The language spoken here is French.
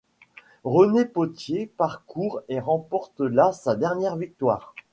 René Pottier parcourt et remporte là sa dernière victoire.